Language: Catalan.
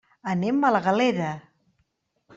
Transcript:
Anem a la Galera.